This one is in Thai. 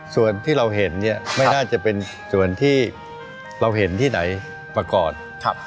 ส่วนที่เราเห็นเนี่ยไม่น่าจะเป็นส่วนที่เราเห็นที่ไหนประกอบ